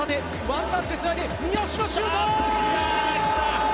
ワンタッチ、つないで、三好のシュート。